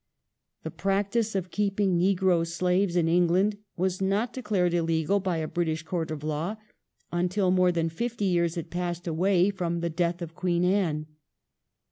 The practice of keeping negro slaves in England was not declared illegal by a British court of law until more than fifty years had passed away after the death of Queen Anne.